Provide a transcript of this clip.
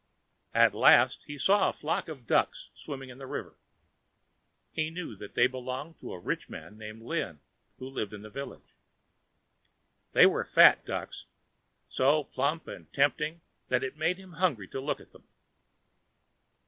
At last he saw a flock of ducks swimming in the river. He knew that they belonged to a rich man named Lin who lived in the village. They were fat ducks, so plump and tempting that it made him hungry to look at them.